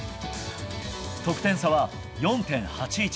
得点差は４．８１。